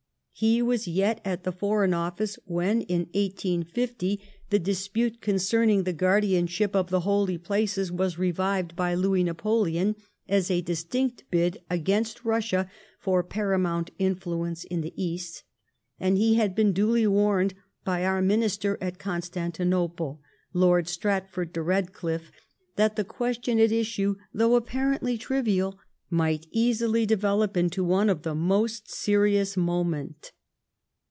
He^ was yet at the Foreign Office when, in 1850, the dis pute concerning the guardianship of the Holy Places was reyiyed by Louis Napoleon, as a distinct bid against Bussia for paramount influence in the East ; and he had" been duly warned by our Minister at Gonstantinople,. Lord Stratford de Bedcliffe, that the question at issue^. thoiigh apparently triyial, might easily deyelop into one of most serious moment.